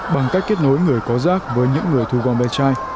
bằng cách kết nối người có rác với những người thu gom bè trai